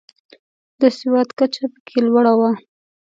د سواد کچه پکې لوړه وه.